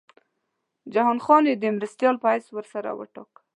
جهان خان یې د مرستیال په حیث ورسره وټاکه.